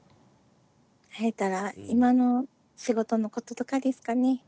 今の仕事のこととかですかね。